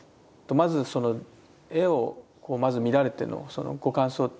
まずその絵をまず見られてのそのご感想というか。